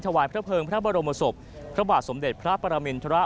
ถวายพระเภิงพระบรมศพพระบาทสมเด็จพระปรมินทร